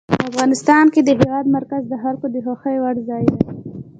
افغانستان کې د هېواد مرکز د خلکو د خوښې وړ ځای دی.